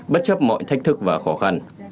bất chấp mọi thách thức và khó khăn